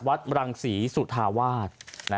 รังศรีสุธาวาส